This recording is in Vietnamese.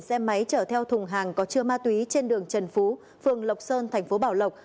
xe máy chở theo thùng hàng có chứa ma túy trên đường trần phú phường lộc sơn thành phố bảo lộc